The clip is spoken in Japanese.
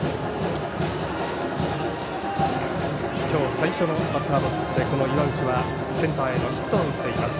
今日、最初のバッターボックスでこの岩内はセンターへのヒットを打っています。